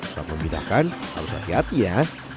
soal pemindahkan harus hati hati ya